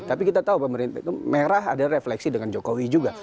tapi kita tahu pemerintah itu merah ada refleksi dengan jokowi juga